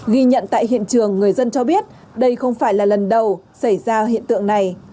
ghi nhận tại hiện trường người dân cho biết đây không phải là lần đầu xảy ra hiện tượng này